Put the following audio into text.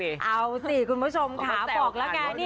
ไม่ได้เจอไอ้เพื่อนรักคนนี้มานานแล้ว